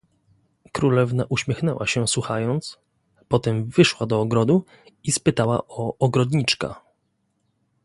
"Królewna uśmiechnęła się słuchając, potem wyszła do ogrodu i spytała o ogrodniczka."